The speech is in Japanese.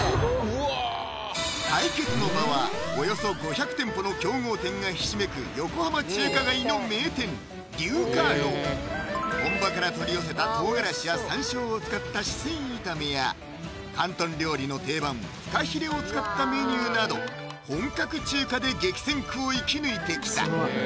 うわ対決の場はおよそ５００店舗の競合店がひしめく横浜中華街の本場から取り寄せた唐辛子や山椒を使った四川炒めや広東料理の定番フカヒレを使ったメニューなど本格中華で激戦区を生き抜いてきた